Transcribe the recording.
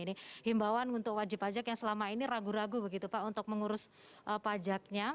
ini himbawan untuk wajib pajak yang selama ini ragu ragu begitu pak untuk mengurus pajaknya